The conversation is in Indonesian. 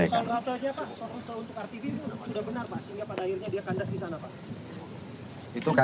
sehingga pada akhirnya dia kandas di sana pak